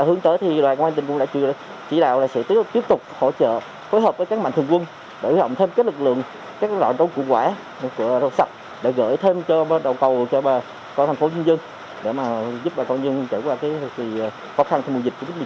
hướng tới thì đoàn công an tình quân đã chỉ đạo sẽ tiếp tục hỗ trợ phối hợp với các mạnh thường quân để hỗn hợp thêm các lực lượng các loại rau củ quả rau sạch để gửi thêm cho đầu cầu cho thành phố dân dân để giúp bà con dân trở qua khó khăn vùng dịch